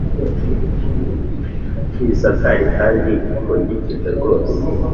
Tuyisakare kandi ipfundikrwe rwose